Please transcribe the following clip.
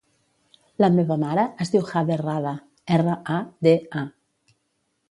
La meva mare es diu Jade Rada: erra, a, de, a.